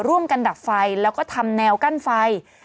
ร่วมกันดับไฟและก็ทำแนวกั้นไฟ